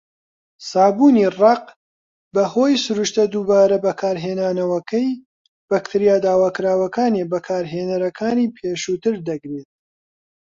سابوونی ڕەق، بەهۆی سروشتە دووبارە بەکارهێنانەوەکەی، بەکتریا داواکراوەکانی بەکارهێنەرەکانی پێشووتر دەگرێت.